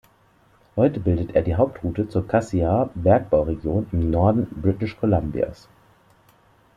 Heute bildet er die Hauptroute zur Cassiar-Bergbauregion im Norden British Columbias.